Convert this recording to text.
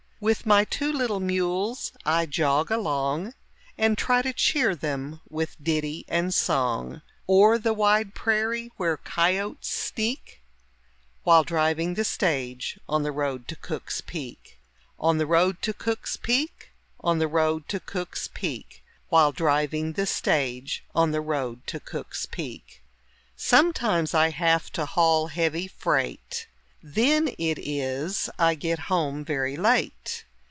With my two little mules I jog along And try to cheer them with ditty and song; O'er the wide prairie where coyotes sneak, While driving the stage on the road to Cook's Peak. On the road to Cook's Peak, On the road to Cook's Peak, While driving the stage on the road to Cook's Peak. Sometimes I have to haul heavy freight, Then it is I get home very late.